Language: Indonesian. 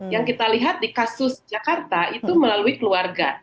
yang kita lihat di kasus jakarta itu melalui keluarga